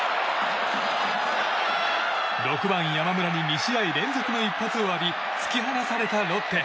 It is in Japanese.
６番、山村に２試合連続の一発を浴び突き放されたロッテ。